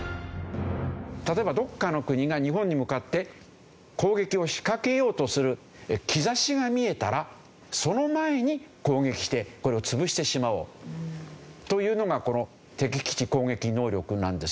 例えばどこかの国が日本に向かって攻撃を仕掛けようとする兆しが見えたらその前に攻撃してこれを潰してしまおうというのがこの敵基地攻撃能力なんですよ。